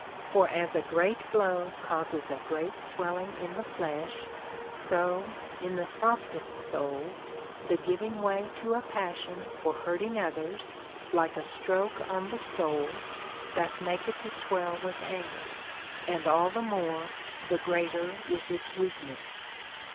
For as a great blow causes a great swelling in the flesh, so in the softest souls the giving Λvay to a passion for hurting others, like a stroke on the soul, doth make it to swell with anger ; and all the more, the greater is its weakness.